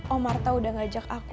oh marta udah ngajak aku